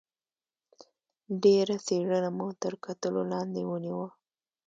ډېره څېړنه مو تر کتلو لاندې ونیوه.